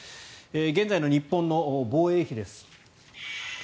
現在の日本の防衛費です。